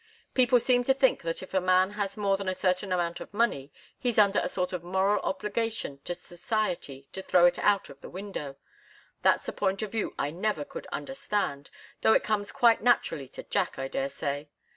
People seem to think that if a man has more than a certain amount of money, he's under a sort of moral obligation to society to throw it out of the window. That's a point of view I never could understand, though it comes quite naturally to Jack, I daresay.